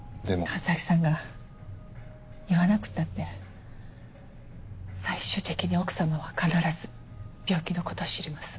神崎さんが言わなくったって最終的に奥さまは必ず病気のことを知ります。